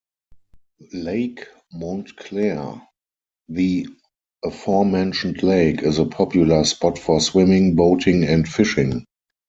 Lake Montclair, the aforementioned lake, is a popular spot for swimming, boating, and fishing.